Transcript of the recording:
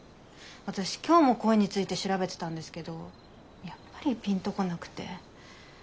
私今日も恋について調べてたんですけどやっぱりピンと来なくて。